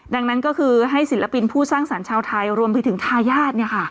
ดังนั้นก็คือให้ศิลปินผู้สร้างสรรค์ชาวไทยรวมไปถึงทายาท